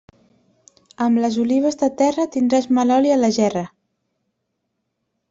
Amb les olives de terra tindràs mal oli a la gerra.